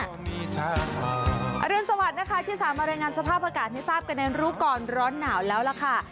อรุณสวัสดิ์นะคะที่สามารถรายงานสภาพอากาศให้ทราบกันในรู้ก่อนร้อนหนาวแล้วล่ะค่ะ